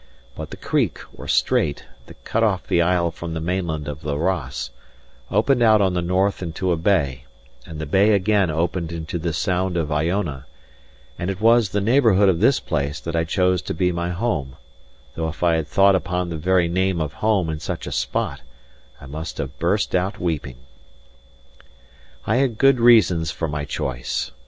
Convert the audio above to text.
But the creek, or strait, that cut off the isle from the main land of the Ross, opened out on the north into a bay, and the bay again opened into the Sound of Iona; and it was the neighbourhood of this place that I chose to be my home; though if I had thought upon the very name of home in such a spot, I must have burst out weeping. I had good reasons for my choice.